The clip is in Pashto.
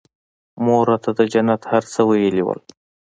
مور راته د جنت هر څه ويلي وو.